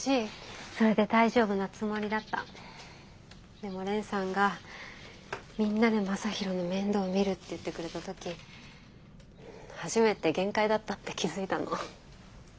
でも蓮さんがみんなで将大の面倒を見るって言ってくれた時初めて限界だったって気付いたの。